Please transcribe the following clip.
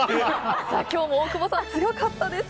今日も大久保さん強かったです。